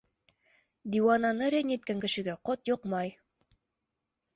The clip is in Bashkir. - Диуананы рәнйеткән кешегә ҡот йоҡмай!